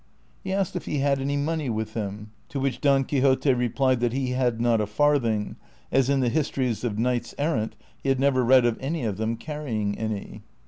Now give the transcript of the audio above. He asked if he had any money with him, to which Don Quixote replied that he had not a farthing,^ as in the histories of knights errant he had never read of any of them carrying any.